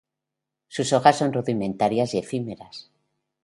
Sus hojas son rudimentarias y efímeras.